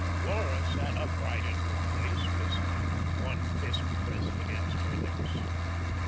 Laura sat upright in her place, listening, one fist pressed against her lips.